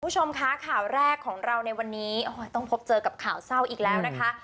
คุณผู้ชมคะข่าวแรกของเราในวันนี้ต้องพบเจอกับข่าวเศร้าอีกแล้วนะคะ